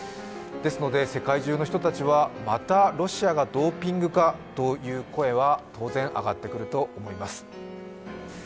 ですので、世界中の人たちはまたロシアがドーピングかという声は当然上がってくると思います。